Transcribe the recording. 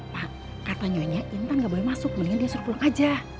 pak kata nyonya intan gak boleh masuk mendingan dia suruh pulang aja